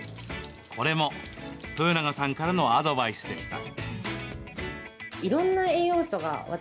これも豊永さんからのアドバイスでした。